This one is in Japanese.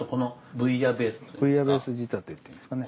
ブイヤベース仕立てっていうんですかね。